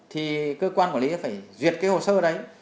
thì cơ quan quản lý phải duyệt cái hồ sơ đấy